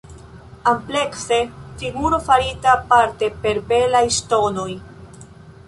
Amplekse, figuro farita parte per belaj ŝtonoj".